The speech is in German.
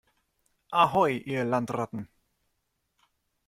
Ahoi, ihr Landratten!